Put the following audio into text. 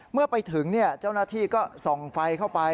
เมื่อไปถึงเจ้าหน้าที่ก็ส่องไฟเข้าไป